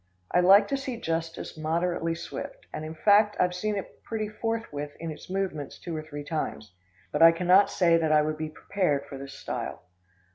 I like to see justice moderately swift, and, in fact I've seen it pretty forthwith in its movements two or three times; but I cannot say that I would be prepared for this style.